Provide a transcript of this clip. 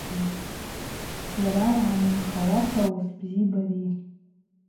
Зджьара йгӏанымхауата йуыс бзипӏ ари.